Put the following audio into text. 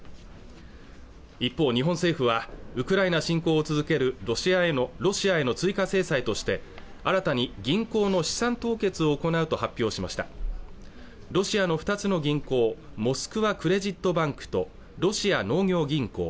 一方日本政府はウクライナ侵攻を続けるロシアへの追加制裁として新たに銀行の資産凍結を行うと発表しましたロシアの２つの銀行モスクワ・クレジット・バンクとロシア農業銀行